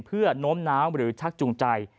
เพื่อโน้มน้าวหรือชักจูงใจ